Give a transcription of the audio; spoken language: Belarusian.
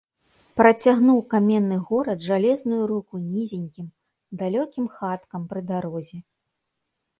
Працягнуў каменны горад жалезную руку нізенькім, далёкім хаткам пры дарозе.